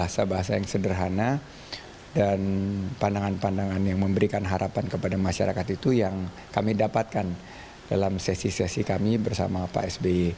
bahasa bahasa yang sederhana dan pandangan pandangan yang memberikan harapan kepada masyarakat itu yang kami dapatkan dalam sesi sesi kami bersama pak sby